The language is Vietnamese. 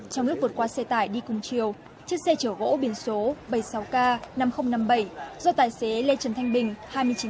trong lúc vượt qua xe tải đi cùng chiều chiếc xe chở gỗ biển số bảy mươi sáu k năm nghìn năm mươi bảy do tài xế lê trần thanh bình